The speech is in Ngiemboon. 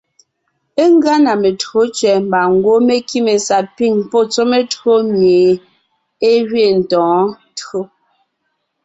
Ngʉa na metÿǒ tẅɛ̀ mbà ngwɔ́ mé kíme sapîŋ pɔ́ tsɔ́ metÿǒ mie é gẅeen tôontǒon.